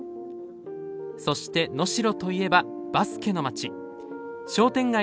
そして、能代といえばバスケの街。